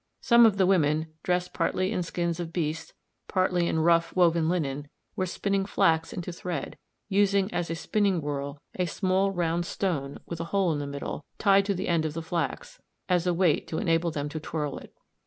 Some of the women, dressed partly in skins of beasts, partly in rough woven linen, were spinning flax into thread, using as a spinning whorl a small round stone with a hole in the middle tied to the end of the flax, as a weight to enable them to twirl it.